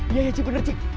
iya ya bener cik